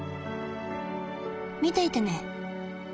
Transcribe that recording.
見ていてね。